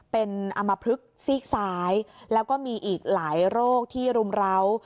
เป็นอมพลึกซีกซ้ายแล้วก็มีอีกหลายโรคที่รุมร้าว